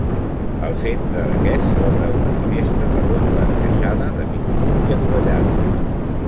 Al centre d'aquest s'obre una finestra de doble esqueixada, de mig punt i adovellada.